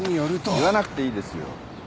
言わなくていいですよ。